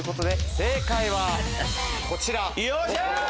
正解はこちら。